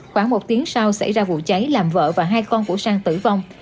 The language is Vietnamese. khoảng một tiếng sau xảy ra vụ cháy làm vợ và hai con của sang tử vong